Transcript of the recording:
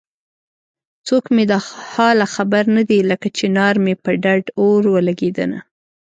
څوک مې د حاله خبر نه دی لکه چنار مې په ډډ اور ولګېدنه